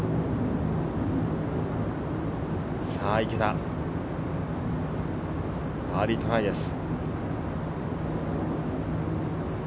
さぁ池田、バーディートライです。